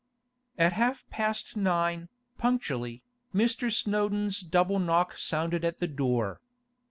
At half past nine, punctually, Mr. Snowdon's double knock sounded at the door.